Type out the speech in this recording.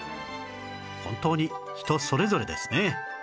本当に人それぞれですね